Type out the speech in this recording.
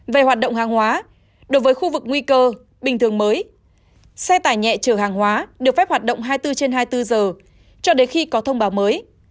về hoạt động hàng hóa đối với khu vực nguy cơ bình thường mới xe tải nhẹ chở hàng hóa được phép hoạt động hai mươi bốn trên hai mươi bốn giờ cho đến khi có thông báo mới